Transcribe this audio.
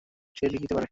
সে লিখতে পারে।